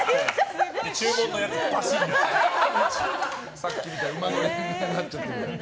さっきみたいに馬乗りになっちゃって。